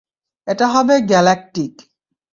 এটা হবে গ্যালাক্টিক।